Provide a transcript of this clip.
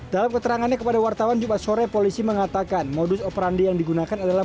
dalam keterangannya kepada wartawan jumat sore polisi mengatakan modus operandi yang digunakan adalah